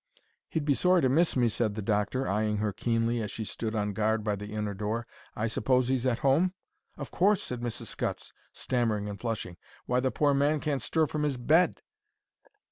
"He'd be sorry to miss me," said the doctor, eyeing her keenly as she stood on guard by the inner door. "I suppose he's at home?" "Of course," said Mrs. Scutts, stammering and flushing. "Why, the pore man can't stir from his bed."